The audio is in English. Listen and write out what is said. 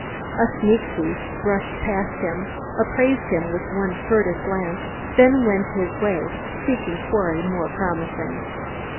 A sneak thief brushed past him, appraised him with one furtive glance, then went his way, seeking quarry more promising.